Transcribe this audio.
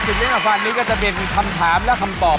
๑๐นิ้วข้างนี้ก็จะเป็นคำถามและคำตอบ